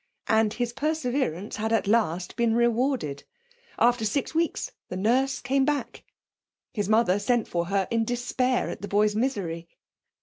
And his perseverance had at last been rewarded. After six weeks the nurse came back. His mother sent for her in despair at the boy's misery.